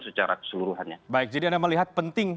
secara keseluruhannya baik jadi anda melihat penting